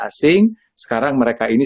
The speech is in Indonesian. asing sekarang mereka ini